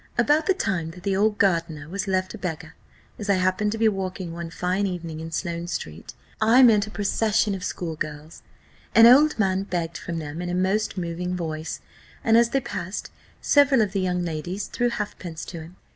About the time that the old gardener was left a beggar, as I happened to be walking one fine evening in Sloane street, I met a procession of school girls an old man begged from them in a most moving voice; and as they passed, several of the young ladies threw halfpence to him.